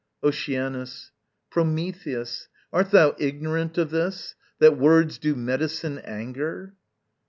Oceanus. Prometheus, art thou ignorant of this, That words do medicine anger?